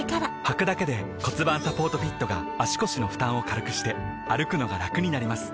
はくだけで骨盤サポートフィットが腰の負担を軽くして歩くのがラクになります